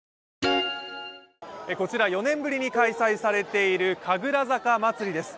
こちら、４年ぶりに開催されている神楽坂まつりです。